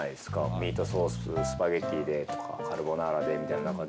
ミートソーススパゲティでとか、カルボナーラみたいな感じで。